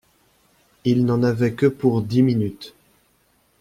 Il n’en avait que pour dix minutes.